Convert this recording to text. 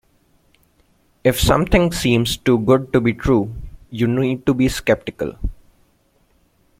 If something seems too good to be true, you need to be sceptical.